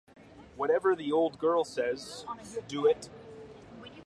Whatever the old girl says — do it!